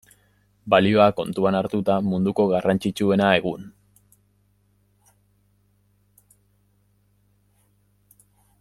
Balioa kontuan hartuta, munduko garrantzitsuena, egun.